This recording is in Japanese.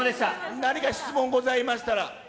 何か質問ございましたら。